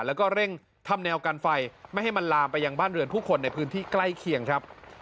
แล้วก็เร่งทำแนวกันไฟไม่ให้มันลามไปยังบ้านเรือนผู้คนในพื้นที่ใกล้เคียงครับ